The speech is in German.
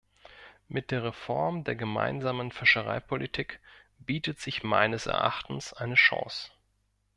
Mit der Reform der Gemeinsamen Fischereipolitik bietet sich meines Erachtens eine Chance.